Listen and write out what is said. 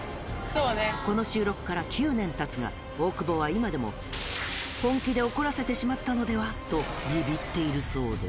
この収録から９年たつが、大久保は今でも、本気で怒らせてしまったのでは？とびびっているそうです。